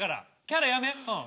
キャラやめうん。